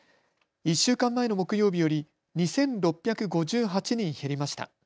１週間前の木曜日より２６５８人減りました。